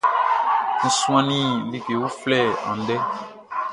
N suannin like uflɛ andɛ.